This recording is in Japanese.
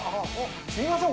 すみません